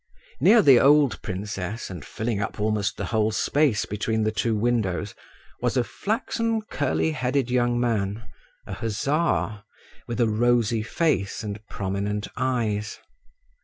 Near the old princess, and filling up almost the whole space between the two windows, was a flaxen curly headed young man, a hussar, with a rosy face and prominent eyes.